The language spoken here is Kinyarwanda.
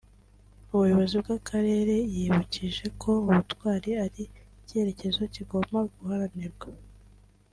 Umuyobozi w’Akarere yibukije ko Ubutwari ari icyerekezo kigomba guharanirwa